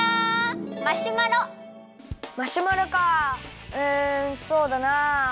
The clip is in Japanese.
マシュマロかうんそうだな。